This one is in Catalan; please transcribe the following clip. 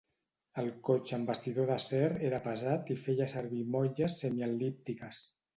El cotxe amb bastidor d'acer era pesat i feia servir motlles semiel·líptiques.